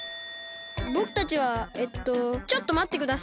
ぼくたちはえっとちょっとまってください。